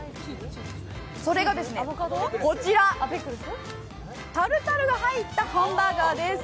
それがですね、こちら、タルタルが入ったハンバーガーです。